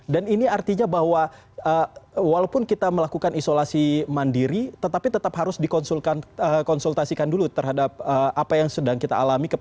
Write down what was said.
dan ini artinya bahwa walaupun kita melakukan isolasi mandiri tetapi tetap harus dikonsultasikan dulu terhadap apa yang sedang kita lakukan